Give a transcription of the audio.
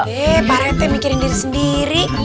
eh pak rete mikirin diri sendiri